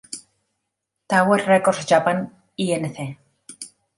Tower Records Japan Inc.